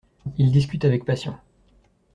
Ils discutent avec passion.